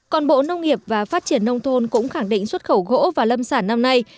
còn bộ nông nghiệp và phát triển nông thôn cũng khẳng định xuất khẩu gỗ và lâm sản năm nay